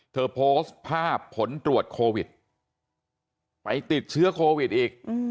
โพสต์ภาพผลตรวจโควิดไปติดเชื้อโควิดอีก